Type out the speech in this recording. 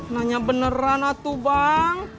nanya beneran atuh bang